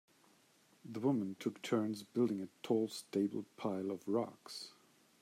The women took turns building a tall stable pile of rocks.